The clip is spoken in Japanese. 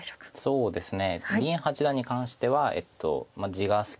そうですね。